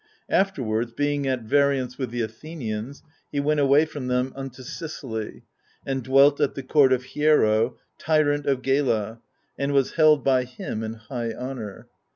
Afterwards, being at variance with the Athenians, he went away from them unto Sicily, and dwelt at the court of Hiero, tyrant of Gela, and was held by him in high honour.